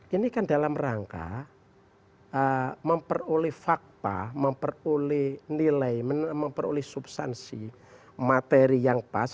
ini kan dalam rangka memperoleh fakta memperoleh nilai memperoleh substansi materi yang pas